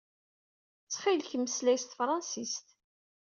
Ttkil-k meslay s tefṛansist.